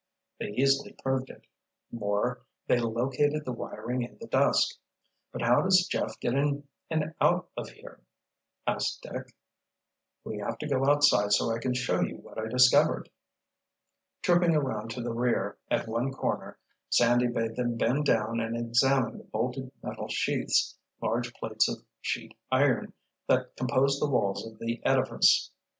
They easily proved it. More, they located the wiring in the dusk. "But how does Jeff get in and out of here?" asked Dick. "We have to go outside so I can show you what I discovered." Trooping around to the rear, at one corner, Sandy bade them bend down and examine the bolted metal sheaths, large plates of sheet iron, that composed the walls of the edifice.